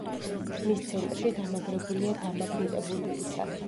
მის ცენტრში დამაგრებულია დამაგნიტებული ისარი.